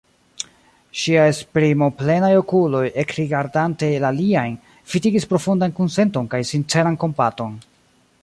Ŝiaj esprimoplenaj okuloj, ekrigardante la liajn, vidigis profundan kunsenton kaj sinceran kompaton.